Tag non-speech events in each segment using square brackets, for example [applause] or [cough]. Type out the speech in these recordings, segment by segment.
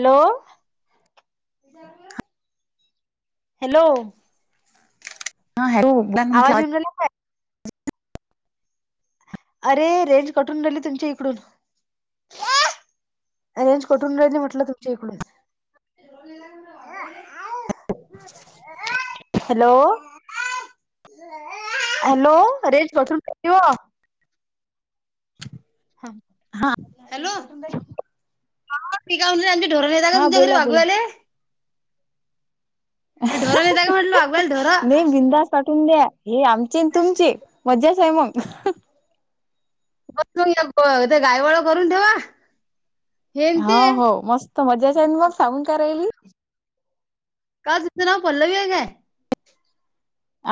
Hello hello. हा hello. उगडान म्हटलं आवाज येऊन राहिला काय? अरे रेंज कटून राहिली तुमच्या इकडून. रेंज कटून राहिली म्हटलं तुमच्या इकडून. [unintelligible] [unintelligible] हॅलो. हॅलो रेंज कटून राहिली ओ. हा. हा. हॅलो. हा ती काय म्हणा, आमची ढोर नेता का? हा तुमच्या घरी बोला बोला वागवाले. ढोरं नेता का मनलं, वाघवाले नाही ढोरं. [unintelligible] द्या. ही आमची न तुमची. मजाचाय मग. [unintelligible] ते गायवळ करून ठेवा. हो, हो. मस्त मजाचाय न मग, सांगून काय राहिली? का, तिचं नाव पल्लवीय काय?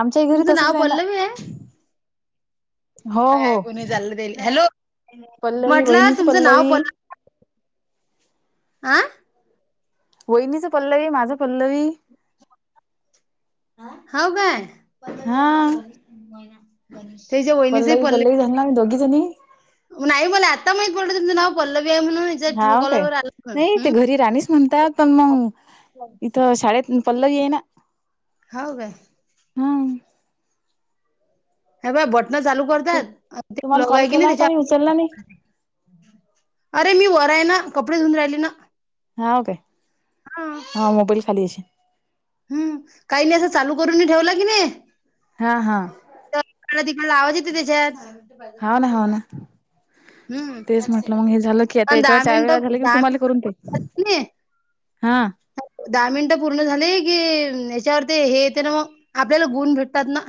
आमच्याही घरी तसचाय ना. हो काय हो ऐकू नाही चाललं त्याले. हॅलो. पल्लवी म्हटलं, वहिनीच तुमचं नाव पल्लवी पल्ल आ. वहिनीचं पल्लवी, माझं पल्लवी. हाव काय? हा तेज्या वहिणीचही पल्लव [unintelligible] दोघीजणी. नाही मला आता माहीत पडलंय, तुमचं नाव पल्लविय म्हणून. हिच्या ट्रू हाव कॉलर काय? वर आलं नाही ते पण घरी राणीच म्हणतात. पण मग, इथं शाळेत पल्लवीय ना. हाव गाय? हा हे बघ, बटणा चालू तू करत्यात. ते तुम्हाला प्लग कॉल हाय की केला नाही होता मी त्याज्यात. उचलला नाही अरे, मी वरय ना. कपडे धुवून राहिली ना. हाव काय? हा, मोबाईल खाली अशी. हम्, काही नाही, असं चालू करूनही ठेवला नाही हा, हा. तर इकडला- तिकडला आवाज येते त्याच्यात. हाव ना, हाव ना. हम्म तेच म्हटलं, मग हे झालं की, आता पण याच्यावर दहा चार वेळा मिनिटं झालं कि, मग दहा तुम्हाली करून घेईन. मिनिटं हा. दहा मिनिटं पूर्ण झाले की, याच्यावरती हे येते ना मग. आपल्याला गुण भेटतात ना.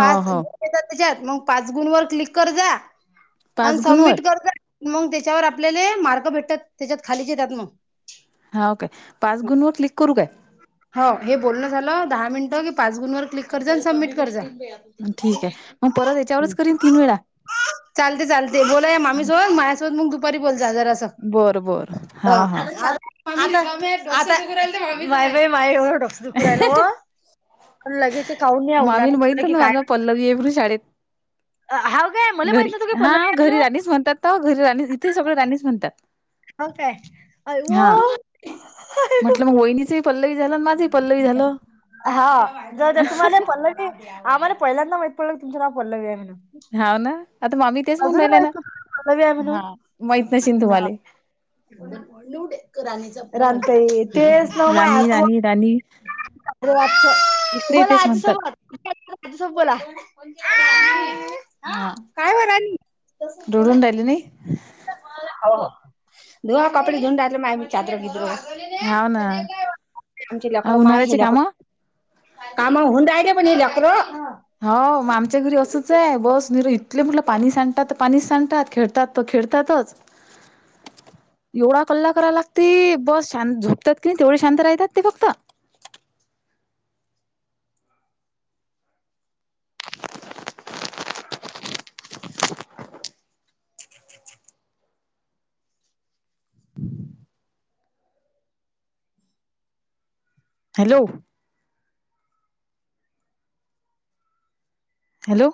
हो हो गुण येतात त्याच्यात, मग पाच गुण वर क्लिक कर जा. अन् पाच गुणवर सबमिट कर जा. मग त्याच्यावर आपल्याले मार्क भेटतात. त्याच्यात खालीच येत्यात मग. हाव काय? पाच गुणवर क्लिक करू काय? हो. हे बोलणं झालं, दहा मिनटं की, पाच गुणवर क्लिक कर‌ जा. अन् सबमिट कर जा. अन् ठीकय. मग परत याच्यावरच करीन तीन वेळा. चालते- चालते. बोला या मामीसोबत. माझ्यासोबत मग दुपारी बोलचा जरासं. बरं बरं अ हाव हाव आता, आता. नाही बाई, माह्या एवढं. डोस्कं दुखू राहिलं ओ. पण लगे ते काऊन या ऊनानं. न माज पल्लवी ए मनून शाळेत. अ हाव काय? मला घरी, माहित नव्हतं की हा पल्लवी आहे घरी म्हणून. राणीच म्हणतात. तर घरी राणी, इथेही सगळं राणीच म्हणतात. हो काय? अय्यो! अय्यो! वहीणीचंही पल्लवी झालं आणि माझंही पल्लवी झालं हा. जाऊ द्या, तुम्हाला पल्लवी आम्हाला पहिल्यांदा माहित पडलं, तुमचं नाव पल्लवीय म्हणून. हाव, ना. आता मामी तेच म्हणून अजूनही राहिल्या ना. माहित नव्हतं पल्लवी आहे हा, माहीत नशीन तुम्हाले. येऊ दे, रानीचा. रानताई, तेच ना. माया राणी फोन राणी राणी अरे, अच्छा. इकडे बोला तेच आजी म्हणतात सोबत. [inaudible] आजीसोबत बोला, आअ [inaudible] हा, धूडून राहीली नाई? होव, धुवा कापडी धुवून राहीले माय मी चादरं घिदरो. [inaudible] हाव ना आमची लाकरं माय उन्हाळ्याची हीला क् कामं कामं होऊन राहीले पण ही ल्याकरो हाव, मग आमच्या घरी असंच आहे बस नरो इतले मुलं पाणी सांडतात त पाणीच सांडतात खेडतात त खेडतातच. [unintelligible] येवडा कल्ला कराय लागती, बस शां झोपतात किनी तेवडे शांत राह्यतात ते फक्त. हम्म हॅलो हॅलो